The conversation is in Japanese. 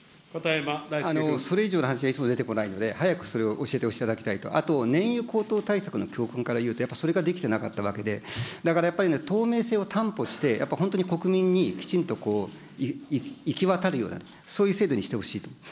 それ以上の話がいつも出てこないので、それを早く教えていただきたいと、あと、燃油高騰対策の教訓からいうと、やっぱりそれができてなかったわけで、だからやっぱり、透明性を担保して、やっぱり本当に国民にきちんと行き渡るような、そういう制度にしてほしいと思う。